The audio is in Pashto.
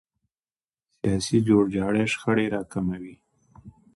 سیاسي جوړجاړی شخړې راکموي